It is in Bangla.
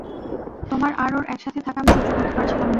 তোমার আর ওর একসাথে থাকা আমি সহ্য করতে পারছিলাম না।